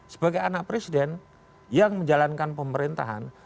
sebagai anak presiden yang menjalankan pemerintahan